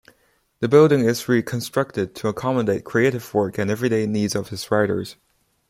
The building is reconstructed to accommodate creative work and everyday needs of its writers.